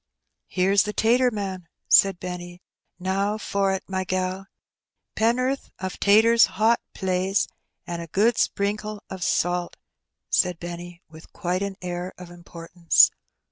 "Heroes the tater man/* said Benny; ^'now for't, my gal. Pennorth o' taters — hot, plaise, an' a good sprinkle o' salt,'* said Benny, with quite an air of importance.